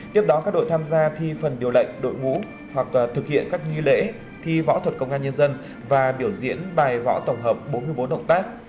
tiếp đó các đội tham gia thi phần điều lệnh đội ngũ hoặc thực hiện các nghi lễ thi võ thuật công an nhân dân và biểu diễn bài võ tổng hợp bốn mươi bốn động tác